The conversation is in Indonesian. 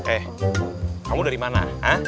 eh kamu dari mana